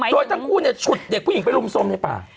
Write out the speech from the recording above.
โดยทั้งคู่ฉุดเด็กผู้หญิงไปรุมสมในป่า